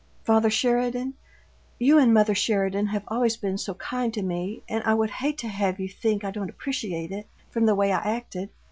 "Father Sheridan, you and mother Sheridan have always been so kind to me, and I would hate to have you think I don't appreciate it, from the way I acted.